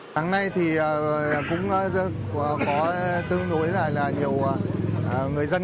tháng nay thì cũng có tương đối là nhiều người dân